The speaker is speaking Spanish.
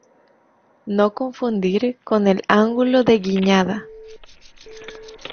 No confundir con el ángulo de guiñada.